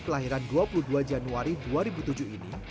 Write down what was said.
kelahiran dua puluh dua januari dua ribu tujuh ini